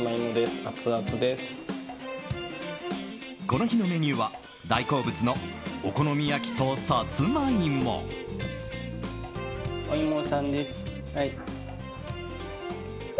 この日のメニューは大好物のお好み焼きとサツマイモ。